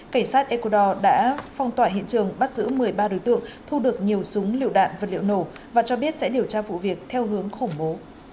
cảnh sát ecuador đã phong tỏa hiện trường bắt giữ một mươi ba đối tượng thu được nhiều súng liệu đạn vật liệu nổ và cho biết sẽ điều tra vụ việc theo hướng khủng bố